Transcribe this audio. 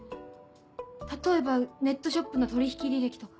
例えばネットショップの取引履歴とか。